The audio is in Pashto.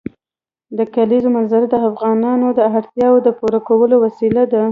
د کلیزو منظره د افغانانو د اړتیاوو د پوره کولو وسیله ده.